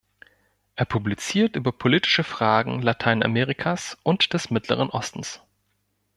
Er publiziert über politische Fragen Lateinamerikas und des Mittleren Ostens.